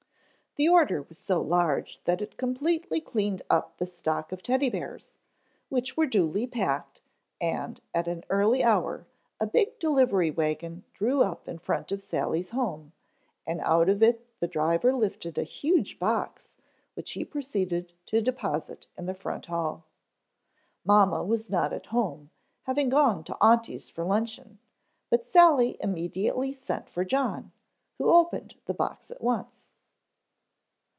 The order was so large that it completely cleaned up the stock of Teddy bears, which were duly packed, and at an early hour a big delivery wagon drew up in front of Sally's home, and out of it the driver lifted a huge box, which he proceeded to deposit in the front hall. Mamma was not at home, having gone to aunty's for luncheon, but Sally immediately sent for John, who opened the box at once.